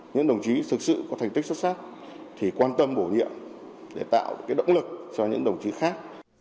những đồng chí thực sự có thành tích xuất sắc thì quan tâm bổ nhiệm để tạo động lực cho những đồng chí khác